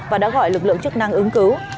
và đã gọi lực lượng chức năng ứng cứu